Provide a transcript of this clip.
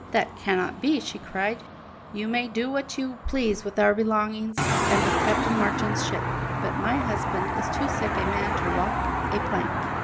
"That cannot be," she cried; "you may do what you please with our belongings and with Captain Marchand's ship, but my husband is too sick a man to walk a plank.